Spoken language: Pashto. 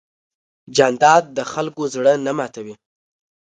جانداد د خلکو زړه نه ماتوي.